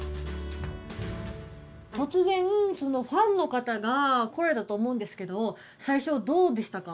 突然そのファンの方が来られたと思うんですけど最初どうでしたか？